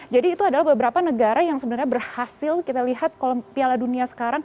jadi itu adalah beberapa negara yang sebenarnya berhasil kita lihat kalau piala dunia sekarang